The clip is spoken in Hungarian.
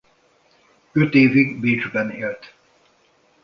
Öt évig Bécsben élt.